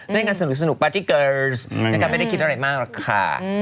ด้วยกันสนุกปาจิเกิร์สไม่ได้คิดอะไรมากค่ะ